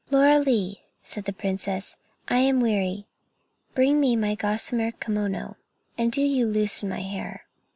"Lorelei," said the princess, "I am weary; bring me my gossamer kimono, and do you loosen my hair.